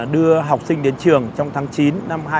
đưa học sinh đến trường trong tháng chín năm hai nghìn một mươi chín